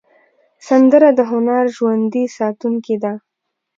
سندره د هنر ژوندي ساتونکی ده